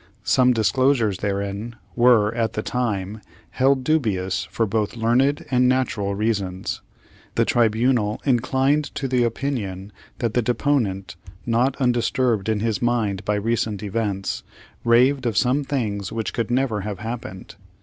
Some disclosures therein were, at the time, held dubious for both learned and natural reasons. The tribunal inclined to the opinion that the deponent, not undisturbed in his mind by recent events, raved of some things which could never have happened.